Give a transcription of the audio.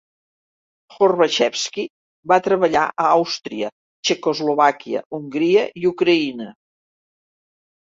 Horbachevsky va treballar a Àustria, Txecoslovàquia, Hongria i Ucraïna.